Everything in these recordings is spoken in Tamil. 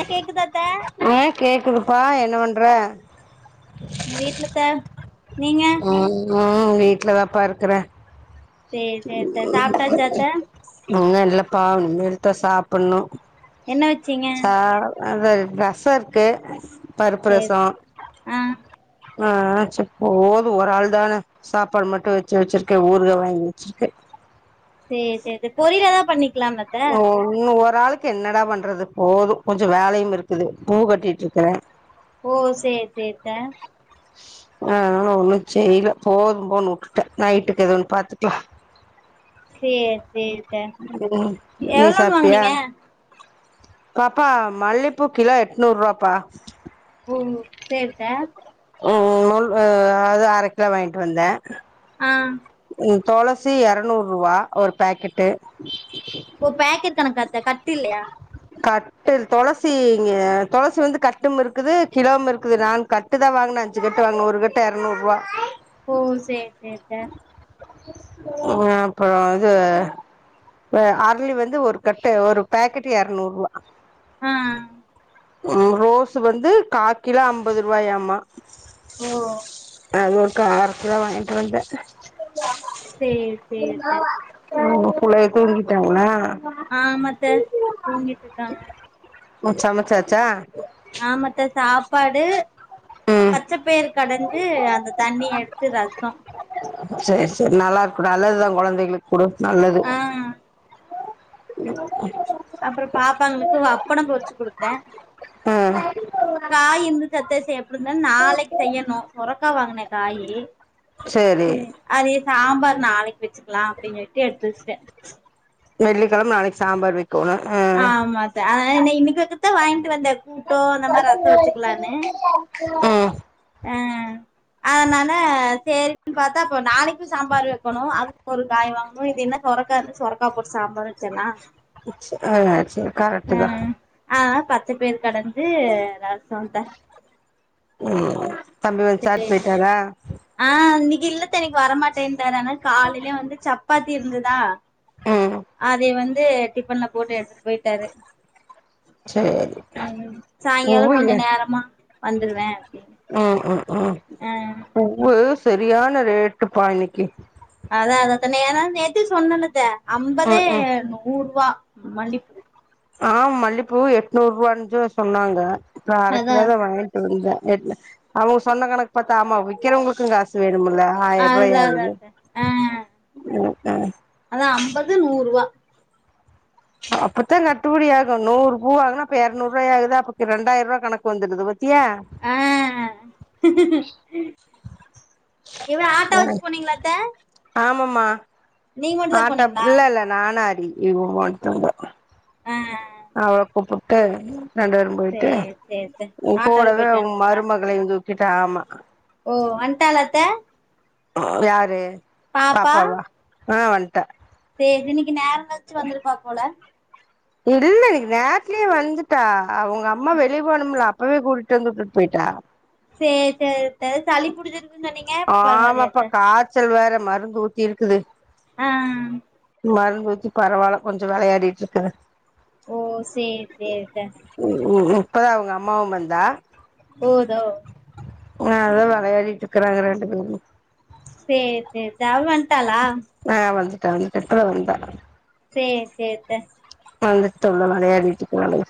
அ கேக்குதா அத்த ஆஹ் கேக்குதுப்பா என்ன பண்ற வீட்லத்த ஆஹ் நா வீட்லதான்ப்பா இருக்குறே சேரி சேரி அத்த சாப்ட்டாச்சா அத்த இன்னும் இல்லப்பா இனிமேல்தா சாப்பிடணும் என்ன வச்சீங்க அது ரசம் இருக்கு பருப்பு சேரி ரசம் ஆ ஆஹ் போதும் ஒரு ஆள் தானே சாப்பாடு மட்டும் வச்சு வச்சிருக்கேன் ஊறுகா வாங்கி வச்சிருக்கே சேரி சேரி சேரி பொறியல் ஏதாவது பண்ணிங்க உம்ம் இன்னும் ஒர் ஒரு ஆளுக்கு என்னடா பண்றது போதும் கொஞ்சம் வேலையும் இருக்குது பூ கட்டிட்டு இருக்குறே ஓ சேரி சேரித்த ஆஹ் அதனால ஒன்னும் செய்யல போதும் போன்னு விட்டுட்டேன் நைட்டுக்கு ஏதோ ஒண்ணு பாத்துக்கலாம் சேரி சேரி அத்த உம் நீ எவ்ளோன்னு சாப்டியா வாங்குனீங்க பாப்பா மல்லிப்பூ கிலோ எட்நூறு ரூவாப்பா ஓ சேரி த உம் உம் அது அரை கிலோ வாங்கிட்டு வந்தே ஆ உம் துளசி இறநூறுவா ஒரு பேக்கெட்டு ஓ பேக்கெட் கணக்காத்த கட்டு இல்லையா கட்டு துளசி துளசி வந்து கட்டும் இருக்குது கிலோவும் இருக்குது நான் கட்டு தான் வாங்கினேன் அஞ்சு கட்டு அங்க ஒரு கட்டு இரநூறுவா ஓ சேரி சேரி த உஹ் அப்புறம் இது அஹ் அரளி வந்து ஒரு கட்டு ஒரு பேக்கெட் இரநூறுவா ஆஹ் உம் ரோஸ் வந்து காக்கிலோ ஐம்பது ரூவாயாமா ஓ அது ஒரு காக்கிலோ வாங்கிட்டு வந்த சேரி சேரி த உன் புள்ளைய துங்கிட்டாங்களா ஆமாத்த தூங்கிட்டு இருக்காங்க உம் சமச்சாச்சா ஆமாத்த சாப் ப்பாடு ம் பச்ச பயிரு கடைஞ்சு அந்த தண்ணி எடுத்து ரசம் சேரி சேரி நல்லா இருக்கும் நல்லதுதான் குழந்தைகளுக்கு குடு நல்லது ஆ உம் அப்புறம் பாப்பாங்களுக்கு அப்பளம் பொறிச்சு கொடுத்தே ஆஹ் காய் இருந்துச்சி அத்த எப்படி இருந்தாலு நாளைக்கு செய்யணும் புரோட்டா வாங்குனே காயி சேரி ம் அது சாம்பார் நாளைக்கு வச்சுக்கலாம் அப்படினுட்டு பிரிஷ்ட வெள்ளிக்கிழம நாளைக்கு சாம்பார் வை ஆமாத்த இன்னைக்கு வைக்கதா வாங்கிட்டு வந்த கூட்டோ அந்த மாரி ரசம் வச்சுக்கலான்னு உம் ஆஹ் அதன னால சேரின்னு பாத்தா அப்ப நாளைக்கும் சாம்பார் வைக்கணும் அதுக்கு ஒரு காய் வாங்கணும் இது என்ன சொரக்கா இரு சொரக்கா போட்டு சாம்பார் வெச்சேன்னா ஆ அக்சூவலா கரெக்டு தா ஆஹ பச்சபயிறு கடஞ்சு ரசோந்த ஓ தம்பி வந்து சாப்டு போயிட்டாரா இல்லத்தே இன்னைக்கி வரமாட்டேன்னுடாரு அதனால காலையிலயே வந்து சப்பாத்தி இருந்ததா ம் அதய வந்து டிஃபன்ல போட்டு எடுத்துட்டு போய்ட்டாரு சேரி ம் ம் சாயங்காலோ பூவு கொஞ்சோ எ நேரமா வந்துருவே அப்டின்னு ஓ ஆ பூவு செரியான ரேட்டுப்பா இன்னிக்கி அதா அதத்த நேன நேத்த சொன்னலத்த ஐம்பதே ம் ம் நூறு ரூபா மல்லிப் ஆ மல்லிப்பூ எட்நூறு ரூவான்ச்சு சொன்னாங்க இப்ப அரை அதா கிலோதா வாங்கிட்டு வந்தே எட்ன அவங்க சொன்ன கணக்கு பாத்தா ஆமா விக்கிறவங்களுக்கு காசு வேண் ணுமில்ல ஆயிர ரூவாய் அதா அதா அதா ஆகுது அத்த ஆ ம் அதா அம்பது நூறு ரூவா அப்பத்தா கட்டுப்படி ஆகு நூறு பூவு வாங்குனா அப்ப எறனுறுவாயா ஆகுதா அப்பக்கு ரெண்டாயிரம் ரூபா கணக்கு வந்துடுது வ ஆ இவ ஆட்டோ வெச்சு போனீங்களாத்தே ஆமம்மா ஆட்ட இல்லல்ல நான அரி இவோட்டபோ ஆ அவ்வள கூப்புட்டு ரெண்டு பேரும் போயிட்டு சேரி சேரி சேரி உ ஆட்டோல கூடவே போயிட்டு உம் வந்ட்டீங்களா மருமகளையு தூக்கிட்டு ஆமா ஓ வன்ட்டாலாத்த யாரு பாப்பா பாப்பாவா ஆ வன்ட்டா எதினிக்கி நேர கழிச்சு வந்துருப்பா போல இல்ல இன்னைக்கி நேரத்துலயே வந்துட்டா அவங்க அம்மா வெளிய போனும்ல அப்பவே கூட்டுட்டு வந்து வுட்டுட்டுப் போயிட்டா சேரி சேரித்தே சளி புடிச்சிருக்குன்னு சொன்னீங்க இப்ப ஆமாப்பா பரவாயில்லாத்தே காய்ச்சல் வேற மருந்து ஊத்தி இருக்குது ஆஹ் மருந்து ஊத்தி பரவாயில்ல கொஞ்சோ வெளையாடிட்டு இருக்குது ஓ சேரி சேரி அத்த உ ம் இப்பதா அவங்க அம்மாவு வந்தா ஓ தோ ஆ அதா வெளையாடிட்டு இருக்ககுறாங்க ரெண்டு பேரு சேரி சேரிதே அவ வன்டாளா வன்ட்டா வன்ட்டா இப்பதா வந்தா சேரி சேரித்தே வந்துட்டுதா உள்ள வெளையாடிட்டு இருக்காளுக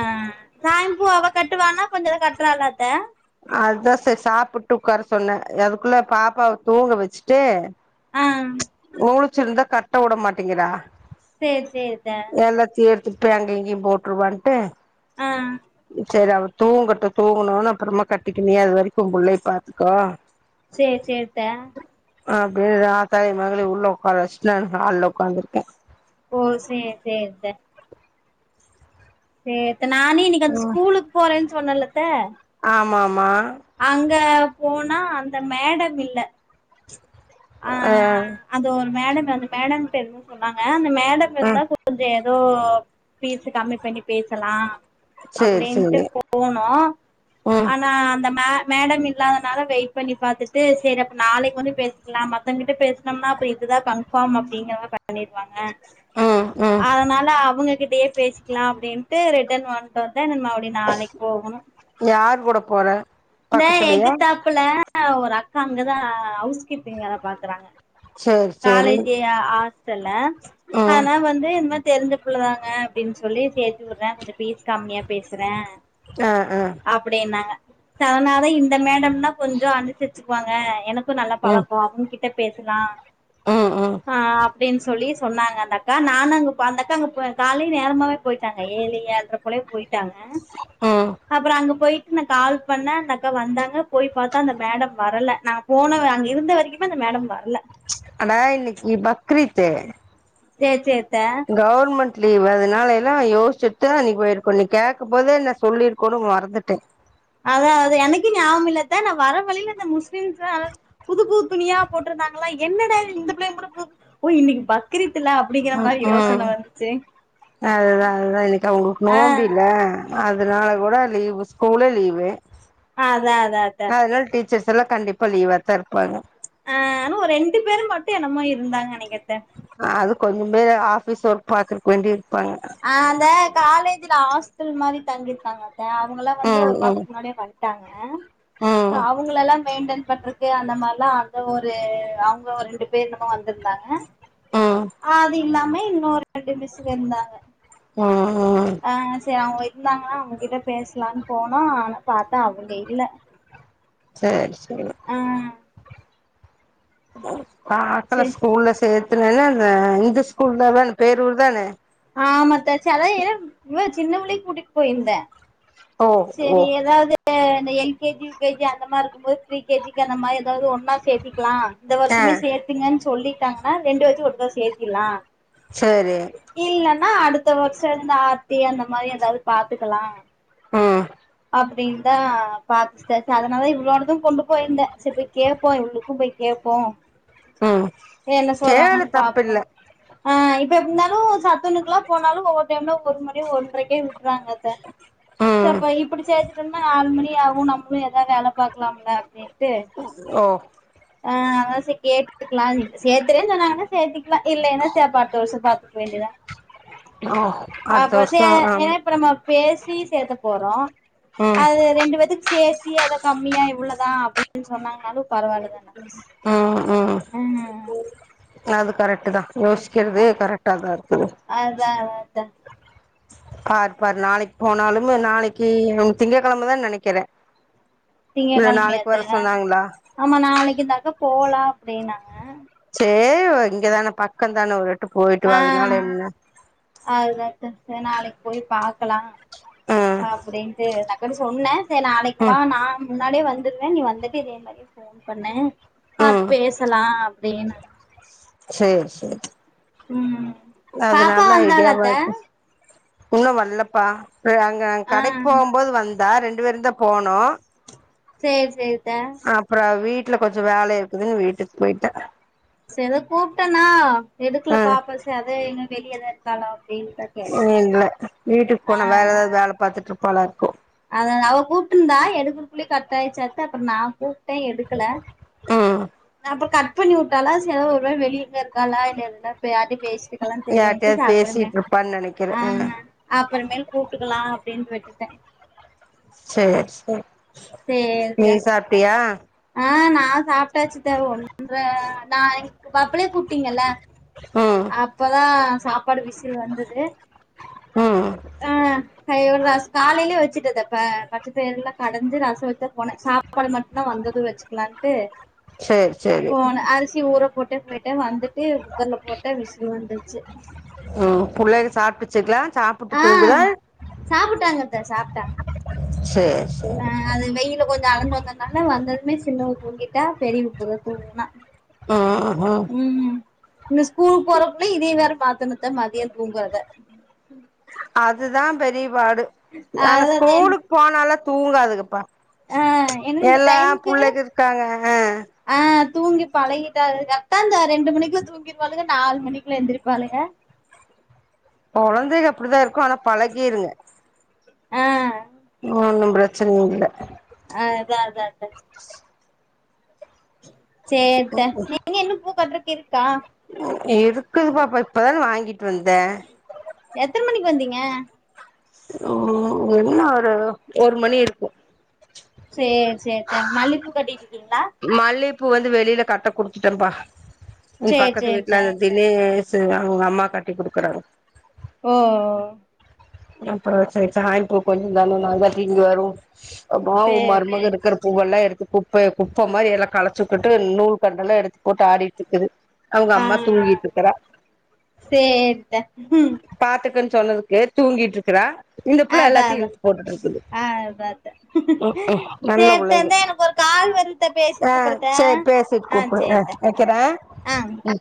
ஆ சாமி பூ அவ கட்டுவானா கொஞ்சோ இத கட்டுறல்லாத்தே அதுதா செரி சாப்பிட்டு உட்கார சொன்னே அதுக்குள்ள பாப்பாவை தூங்க வெச்சுட்டு அம் ச்சிருந்தா கட்ட வுட மாட்டேங்கிறா சேரி சேரித்தே இப்பே அங்க இங்கயு போட்டுருவான்ட்டு ஆ செரி அவ தூங்கட்டு தூங்கணுன்னே அப்புறமா கட்டிக்க நீ அது வரைக்கு உம் புள்ளைய பாத்துக்கோ சேரி சேரித்தே அப்டியே ஆத்தாயு மகளயு உள்ள உக்கார வெச்சுட்டு நா ஹால்ல உக்காந்துருக்கே ஓ சேரி சேரித்தே சேரித்தே நான்னு இன்னைக்கி அந்த ம் ஸ்கூலுக்கு போறேன்னு சொன்னேல்லத்தே ஆமாமா அங்க போனா அந்த மேடம் இல்ல ஆ அந்த ஒரு மேடம் அந்த மேடம் பேரு எது சொன்னாங்க அந்த மேடம் ம் இருந்தா [inaudible] ஏதோ ஃபீஸு கம்மி பண்ணி பேசலா சரி அப்டின்ட்டு சரி போனோ ம் ஆனா அந்தம் மே மேடம் இல்லாதனால வெயிட் பண்ணி பாத்துட்டு சேரி அப்போ நாளைக்கு வந்து பேசிக்கிலா மத்தவ்ங்க்கிட்ட பேசுனோம்னா அப்ப இதுதா கன்ஃபாம் அப்டிங்கிறமா பண்ணிருவாங்க ம் ம் அதுனால அவுங்கக்கிட்டயே பேசிக்கலா அப்டின்ட்டு ரிட்டன் வண்ட்டோ த நம்ம அப்டி நாளைக் போவொணு யார் கூட போற இந்த பக்கத்துலயா எகுத்தாப்புல ஒரு அக்கா அங்கதா அவ்ஸ் கீப்பிங் வேல பாக்குறாங்க சரி சரி காலேஜி அ ஆஸ்டல்ல ம் ஆனா வந்து இந் மாரி தெரிஞ்ச புள்ளதாங்க அப்டின் சொல்லி சேத்து உர்றே கொஞ்சொ ஃபீஸ் கம்மியா பேசுற ஆ ஆ அப்டின்னாங்க ச அத்னாலதா இந்த மேடம்னா கொஞ்சொ அனுசரிச்சுக்குவாங்க எனக் நல்ல ம் பழக்கொ அவுங்க்கிட்ட பேசலா ம் ம் ஆ அப் டின் சொல்லி சொன்னாங்க அந்த அக்கா நானு அங்க ப அந்தக்கா அங்க ப காலை நேரமாவே போயிட்டாங்க ஏழு ஏழ்ர போலே போய்ட்டாங்க ம் அப்பறொ அங்க போய்ட்டு நா கால் பண்ண அந்த அக்கா வந்தாங்க போய் பாத்தா அந்த மேடம் வரல நாங்க போனோவ அங்க இருந்த வரைக்குமே அந்த மேடம் வர்ல அடா இன்னக்கி பக்ரீத்து சே சே கவ்ர்மெண்ட் லீவு அதுனால எல்லா யோஷ்சிட்தா இன்னைக் போய்ருக்கணு நீ கேக்கபெ போதே நா சொல்லிர்க்கணு மறந்துட்டே அதா அதா எனக்கே ஞாபம் இல்ல அத்த நா வர்ற வழில இந்த முஸ்லிம்ஸா [unintelligible] புது புதுத் துணியா போட்ரு ந்தாங்களா என்னடா இந்த பிள்ளைய மட்டு புதுப் ஓ இன்னக்கி பக்ரீத் ம் ம் அதுதா அதுதா இன்னக்கி அவ்ங்களுக்கு ஆ நோம்பீல அதுனால கூட லீவு ஸ்கூலே லீவு ஆ அதா அதா அத்த சில சல்ல கண்டிப்பா லீவாத்தா இருப்பாங்க ஆ ஆனா ஒரு ரெண்டு பேரும் மட்டு என்னமோ இருந்தாங்க அன்னக்கி அத்த அது கொஞ்சமேதா ஆஃபிஸ் ஒர்க் பாக்குறக் வேண்டி இருப்பாங்க ஆ அந்த காலேஜுல ஹாஸ்டல் மாரி தங்கிர்க்காங்க த அவங்கல்லா வந்து ம் ஒரு ம் வாரத்துக் முன்னாடியே வன்ட்டாங்க சோ ம் அவுங்களல்லா மெய்ன்டென் பண்றக்கே அந்த மார்லா அந்த ஒரு அவுங்க ஒரு ரெண்டு பேர் என்னமோ வந்துருந்தாங்க ம் ஆ அது இல்லாம இன்னொரு ரெண்டு மிஸ்ஸுக இருந்தாங்க ம் ம் ஆ சே அவ்ங்க இருந்தாங்கன்னா அவுங்கக்கிட்ட பேஸ்லான் போனோ ஆனா பாத்த அவங்க இல்ல சேரி சேரி ஆ பாக்கல சரி ஸ்கூல்ல சேத் துலல என்ன இந்த ஸ்கூல் தான பேரூர்தானே ஆமா அத்த [unintelligible] இவ சின்ன புள்ளையு கூட்டியிட் போயிருந்த ஓ ஓ ஆ அந்த L K G U K G அந்த மாற்ருக்கும் போது ப்ரீ கே ஜி க்கு அந்த மாரி ஏதாவ்து ஒன்னா சேத்திக்லா இந்த ஆ வர்ஷமே சேத்துங்கன் சொல்லிட்டாங்கன்னா ரெண்டு வேத்தையு ஒட்டுகா சேத்திர்லா சேரி இல்லன்னா அடுத்த வர்ஷொ இந்த ஆர்த்தி அந்த மாரி ஏதாவ்து பாத்துக்கலா ஆ அப்டின்தா பாத்தாச்சி அதனால இவளோடது கொண்டு போயிருந்தே செரி போய் கேப்போ இவளுக்கு போய் கேப் போ ம் என்ன சேரி சொல்றாங்கன் பாப்போ தப்பில்ல ஆ இப் ப எப்டிந்தாலு சத்துணக்குலா போனாலு ஒவ்வொரு டைம்ல ஒரு மாரியு வரு றக்கே விட்றாங்க அத்த ச ம் அப்போ இப்புடி சேத்திட்டோம்னா நாலு மணியாவு நா நம்ம ஏதா வேல பாக்கலாம்ல்லா அப்டின் ஓ ஆ அதா சே கேட்டுக்கிலான்ட்டு சேத்துறேன்னு சொன்னாங்கன்னா சேத்திக்குவே இல்லேன்னா சேர் அப்ப அடுத்தவருஷோ பாத் துக்க வேண்டிதா ஓ அடுத்த அப்ப சே வருஷோ ஆமா ஏப்பறமா பேசி சேத்த போறோ ம் அது ரெண்டு பேத்துக்கு சேத் டீ எதோ கம்மியா இவ்ளதா அப்டின்னு சொன்னாங்கன்னாலு ம் ம் ம் அது கரெக்ட் தா யோசிக்கிறது அ கரெக்டா தா இருக்கு அதா அதா பார் பாரு நாளைக்கி போனாலும் நாளைக்கி உன் திங்ககெழமதா நெனைக்கிறே இல்ல நாளைக்கு வர திங்ககெழமயாத்தா சொன்னாங்களா ஆமா நாளைக்கி இந்த அக்கா போலா அப்டின்னாங்க ஆ ஏய்வு இங்கதான பக்கோ தான ஒரு எட் ஆ அதுதாத் தத்த நாளைக்கி பொய் பாக்கலா ம் அப்டின்ட்டு அந்த அக்காட்ட சொன்னே செரி நாளைக்கி வா ம் நா முன்னாடியே வந் வந்துருவே நீ வந்துட்டு இதே மாரியே ஃபோன் பண்ணு பாத்து ம் பேசலா அப்டின்னாங்க சேர் சேர் அது பாப்பா நல்ல ஐடியாவா வந்தாளாத்த இருக்கு இன்னு வல்லப்பா இது அங்க நாங்க ஆ கடக்கி போம்போது வந்தா ரெண்டு பேருந்தா போனோ சேர் சேரி அப்பறோ அவ வீட்ல கொஞ்சோ வேல இருக்குதுன்னு வீட்டுக்கு போயிட்டா சே ஏதோ கூப்ட்டேன்னா எடுக்கல ம் பாப்போ சே அதா எங்க வெளிஏதா இருக்காள இல்ல வீட்டுக்கு ஆ போன வேற ஏதாவது வேல பாத்துட்டு இருப்பாளா இருக்கு அத அவ கூப்ட்டுருந்தா எடுக்கறக்குள்ளயே கட் ஆயிச்சி அதத்தா அப்பறோ நா கூப்ட்டே எடுக்கல ம் நா அப்பறோ கட் பண்ணி வுட்டாலா சேர் அதா ஒரு வேல வெளிய எங்கயு இருக்கலா இல்லயோன்னு தா யார்ட்டயு பேசிகிட் இருக்காலான்னு தெரிலயேன்ட்டு சே யார்ட்டயாவது அப்பறமே பேசிட்டு இருப்பான்னு நெனைக்கிறே ஆ அப்பறமேல் கூப்ட்டுக்கலா அப்டின்னு விட்டு ட சேர் சேர் நீ சாப்ட்டியா ஆ நா சாப்பிட்டாச்சித்த ஒன்ற நா எனக்கு அப்பளே கூப்ட்டீங்கல்ல ம் அப்பதா சாப்பாடு விசில் வந்தது ம் ஆ அய்யயோ லாஸ் காலேலயே வச்சிட்டே இந்த ப பச்ச பயிறலா கடஞ்சி ரசோ வச்சா போனே சாப்பாடு மட்டுந்தா வந்து வச்சிக்கிலான்ட்டு சேரி சேரி போனே அரிசி ஊற போட் டே போயிட்ட வந்துட்டு குக்கர்ல போட்டே விசில் வந்துருச்சி சாப்ட்டுச்சிகளா சாப்பிட்டு தூங்குதா சாப்புட்டாங்கத்த சாப்ட்டாங்க சேரி சேரி ஆ அது வெயில கொஞ்சோ அலஞ்சி வந் தனால வந்ததுமே சின்னவ தூங்கிட்டா பெரியவ இப்பதா தூங்குனா ஆ ஹ ம் இந்த ஸ்கூலுக்கு போறக்குள்ளயு இதயு வேற மாத்தணுத்த மதியோ தூங்குறத அதுதா பெரியபாடு ஆனா அதாவது ஸ்கூலுக்கு போனால்லா தூங்காதுகப்பா ஆ ஏன்னா இந்த வெள்ளதா டைமுக்கு புள்ளைக இருக்காங்க தூங்கிப்பழகீட்டாலுக கரெக்டா அந்த ரெண்டு மணிக்குள்ள தூங்கீருவாலுக நாலு மணிக்குள்ள எந்திரிப்பாலுக கொழந்தைக அப்டிதா இருக்கு ஆனா பழகீருங்க ஆ இன்னு ஒன்னு பிரச்சன இல்ல அதா சேரித்த நீங்க இன்னு பூ கட்றக்கு இருக்கா இருக்குது பாப்பா இப்பதான வாங்கீட்டு வந்தே எப்ப வந்தீங்க ம் என்ன ஒரு ஒரு மணி இருக்கு சேரி சேரி த்த மல்லிப்பூ கட்டிட்டு இருக் மல்லிப்பூ வந்து வெளில கட்ட குடுத்துடம்ப்பா நீ சேரி பக்கத்து சேரித்த வீட்ல அந்த தினேஸ் சு அவுங்க அம்மா கட்டி குடுக்கறாங்க ஓ அப்பறோ சேரி சாயப்பூ கொஞ் தானு நா தா தீங்கி வரு எம்மாவு ஒ சேரி சேரி மருமகருக்குற பூவெல்லா எடுத்து குப்பே குப்ப மாரி எல்லா களச்சிகுட்டு நூல் கண்டல்லா எடுத்து போட்டு ஆடிட்ருக்குது அவுங்க ஆ அம்மா தூங்கிட்ருக்கறா சேரித்த ம் பாத்துக்கன் சொன்னதுக்கு தூங்கிட்ருக்குறா இந்த புள்ள அதா எல்லாத்தையு அதா இலுத்து போட்டுட்ருக்குது ஆ அதா அத்த ம்கும் நல்ல சேரித்த புள்ளைக இந்தா எனக்கு ஒரு கால் வருதுத்த பேசிட்டு அ கூப்பறத்த சேரி பேசிட் ஆ கூப்டு அ சேரித்த வெய்க்கற ஆ ம்